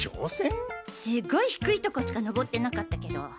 すっごい低いとこしか登ってなかったけど。